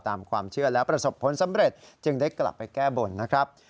ตามความเชื่อแล้วประสบผลสำเร็จจึงได้กลับไปแก้บนนะครับ